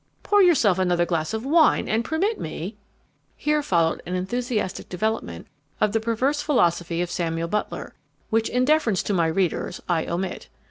Pour yourself another glass of wine, and permit me " (Here followed an enthusiastic development of the perverse philosophy of Samuel Butler, which, in deference to my readers, I omit.